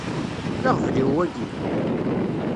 D aɣbel-iw wagi?